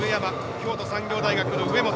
京都産業大学の植本。